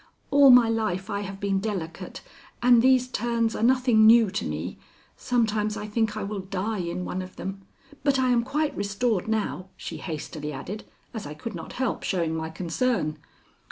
"All my life I have been delicate and these turns are nothing new to me. Sometimes I think I will die in one of them; but I am quite restored now," she hastily added, as I could not help showing my concern.